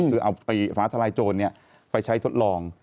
คือเอาไฟฟ้าทลายโจรไปใช้ทดลอง